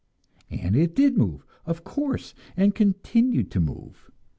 And it did move, of course, and continued to move.